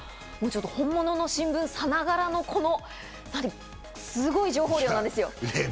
本物の新聞さながらのすごい情報量です。